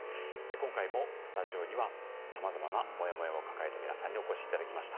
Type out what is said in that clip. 今回もスタジオにはさまざまなモヤモヤを抱えた皆さんにお越しいただきました。